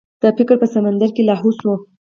د فکر په سمندر کې لاهو شو.